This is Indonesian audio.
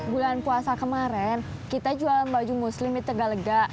bulan puasa kemarin kita jualan baju muslim di tegalega